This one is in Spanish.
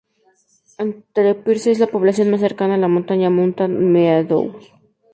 Enterprise es la población más cercana a la montaña "Mountain Meadows".